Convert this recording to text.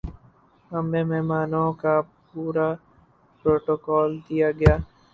ہمیں مہمانوں کا پورا پروٹوکول دیا گیا